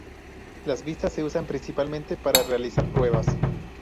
Las vistas se usan principalmente para realizar pruebas.